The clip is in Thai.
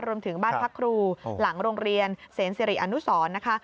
รวมถึงบ้านพักครูหลังโรงเรียนเสนสิริอนุสรนะคะ